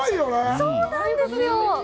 そうなんですよ。